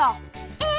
えっ！